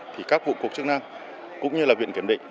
thì các vụ cuộc chức năng cũng như là viện kiểm định